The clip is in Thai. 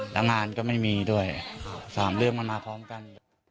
แล้วงานก็ไม่มีด้วย๓เรื่องมันมาพร้อมกัน